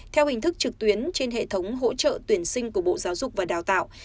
theo hình thức trực tuyến trên hệ thống hỗ trợ tuyển sinh của bộ giáo dục và đào tạo